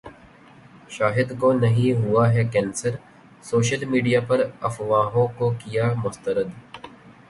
شاہد کونہیں ہوا ہے کینسر، سوشل میڈیا پرافواہوں کو کیا مسترد